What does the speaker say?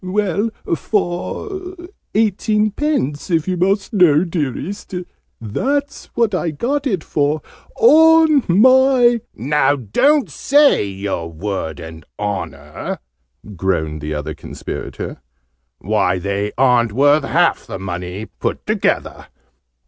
"Well, for eighteenpence, if you must know, dearest! That's what I got it for, on my " "Now don't say your Word and Honour!" groaned the other Conspirator. "Why, they aren't worth half the money, put together!"